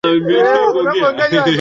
Kwa maana hawayajui wasemayo.